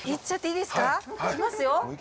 いきますよいき